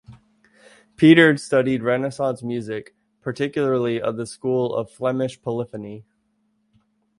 Peeters studied Renaissance music, particularly of the school of Flemish polyphony.